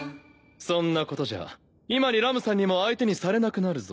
そんなことじゃ今にラムさんにも相手にされなくなるぞ。